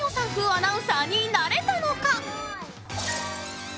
アナウンサーになれたのか？